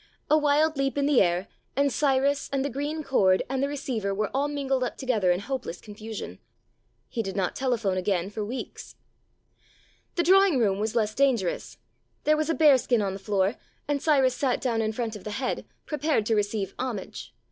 A wild leap in the air, and Cyrus and the green cord and the receiver were all mingled up together in hope less confusion. ... He did not telephone again for weeks. The drawing room was less dangerous. There 254 There Arose a King was a bearskin on the floor, and Cyrus sat down in front of the head, prepared to receive homage.